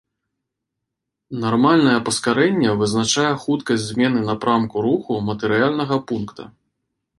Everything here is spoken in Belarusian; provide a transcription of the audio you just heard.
Нармальнае паскарэнне вызначае хуткасць змены напрамку руху матэрыяльнага пункта.